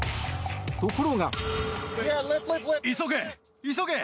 ところが。